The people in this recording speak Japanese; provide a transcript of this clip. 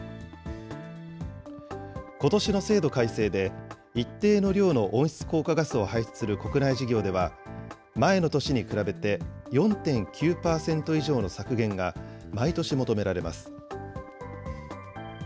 ことしの制度改正で、一定の量の温室効果ガスを排出する国内事業では、前の年に比べて４．９％以上の削減が毎年求められます。